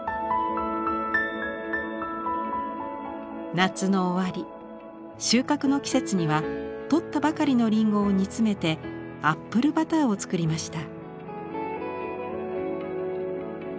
夏の終わり収穫の季節には採ったばかりのりんごを煮詰めてアップル・バターを作りました。